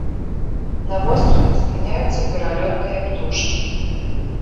На востраве спыняюцца пералётныя птушкі.